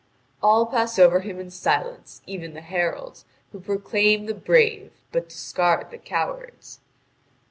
All pass over him in silence, even the heralds, who proclaim the brave, but discard the cowards."